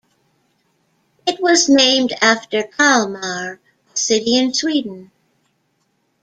It was named after Kalmar, a city in Sweden.